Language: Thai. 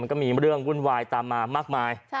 ก็มีเรื่องวุ่นวายตามมามากมาย